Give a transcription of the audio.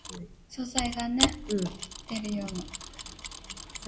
我踩到你條尾呀？